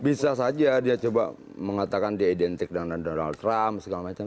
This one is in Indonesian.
bisa saja dia coba mengatakan dia identik dengan donald trump segala macam